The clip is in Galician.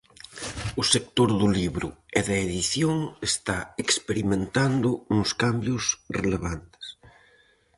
O sector do libro e da edición está experimentando uns cambios relevantes.